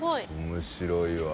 面白いわ。